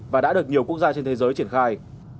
và đã được nhiều quốc gia trên thế giới triển khai